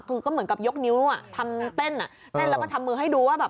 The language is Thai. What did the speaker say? คือก็เหมือนกับยกนิ้วอ่ะทำเต้นอ่ะเต้นแล้วก็ทำมือให้ดูว่าแบบ